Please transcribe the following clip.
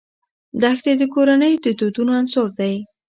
دښتې د کورنیو د دودونو عنصر دی.